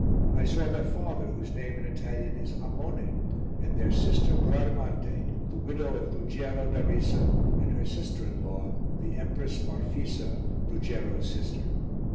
I saw their father, whose name in Italian is Amone, and their sister Bradamante, the widow of Ruggiero da Risa, and her sister in law, the Empress Marfisa, Ruggiero's sister.